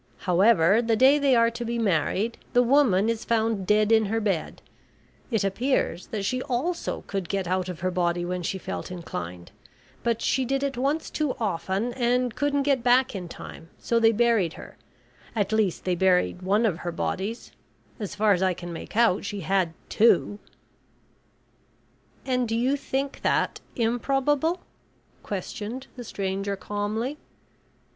However, the day they are to be married, the woman is found dead in her bed. It appears that she also could get out of her body when she felt inclined, but she did it once too often, and couldn't get back in time, so they buried her, at least they buried one of her bodies; as far as I can make out she had two." "And you think that improbable?" questioned the stranger calmly.